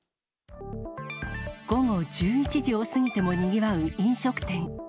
午後１１時を過ぎてもにぎわう飲食店。